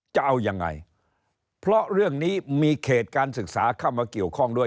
จะเอายังไงเพราะเรื่องนี้มีเขตการศึกษาเข้ามาเกี่ยวข้องด้วย